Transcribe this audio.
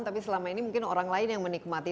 tapi selama ini mungkin orang lain yang menikmati